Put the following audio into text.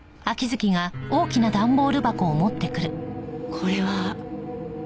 これは。